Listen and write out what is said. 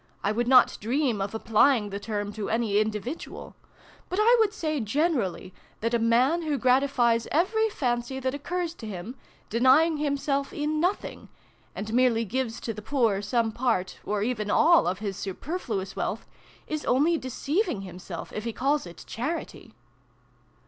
I would not dream of applying the term to any individztal. But I would say, generally, that a man who gratifies every fancy that occurs to him denying himself in nothing and merely gives to the poor some part, or even all, of his superfluous wealth, is only deceiving himself if he calls it charity.'"